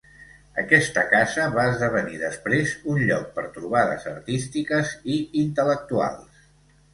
Aquesta casa va esdevenir després un lloc per trobades artístiques i intel·lectuals.